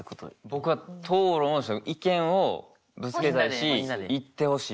僕は討論を意見をぶつけたいし言ってほしい。